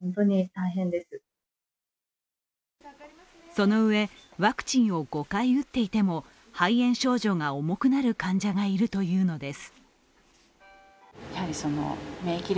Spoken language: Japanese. そのうえ、ワクチンを５回打っていても肺炎症状が重くなる患者がいるというのです。